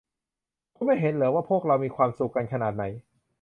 คุณไม่เห็นหรอว่าพวกเรามีความสุขกันขนาดไหน